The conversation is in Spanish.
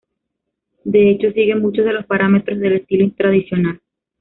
De hecho sigue muchos de los parámetros del "estilo tradicional".